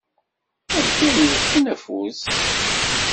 Anta i yewwten afus?